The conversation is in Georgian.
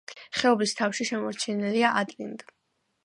ხეობის თავში შემორჩენილია ადრინდ.